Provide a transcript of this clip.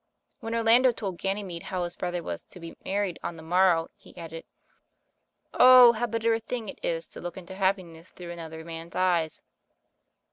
When Orlando told Ganymede how his brother was to be married on the morrow, he added : "Oh, how bitter a thing it is to look into happiness through another man's eyes."